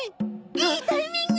いいタイミング！